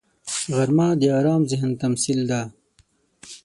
غرمه د آرام ذهن تمثیل دی